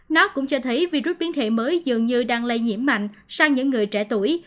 nó cũng cho thấy virus biến thể mới dường như đang lây nhiễm mạnh sang những người trẻ tuổi